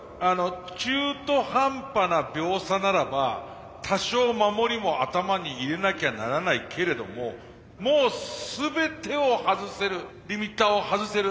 中途半端な秒差ならば多少守りも頭に入れなきゃならないけれどももう全てを外せるリミッターを外せる。